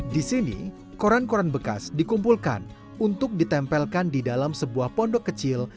di sini koran koran bekas dikumpulkan untuk ditempelkan di dalam sebuah pondok kecil